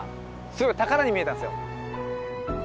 すごく宝に見えたんですよ。